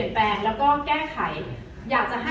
อ๋อแต่มีอีกอย่างนึงค่ะ